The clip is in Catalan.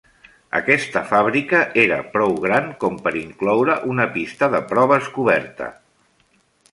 Aquesta fàbrica era prou gran com per incloure una pista de proves coberta.